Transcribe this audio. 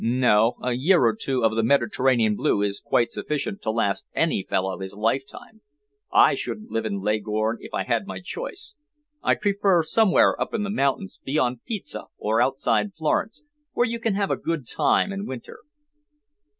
"No. A year or two of the Mediterranean blue is quite sufficient to last any fellow his lifetime. I shouldn't live in Leghorn if I had my choice. I'd prefer somewhere up in the mountains, beyond Pisa, or outside Florence, where you can have a good time in winter."